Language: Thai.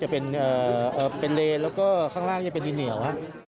จะเป็นเลยแล้วก็ข้างล่างจะเป็นนะ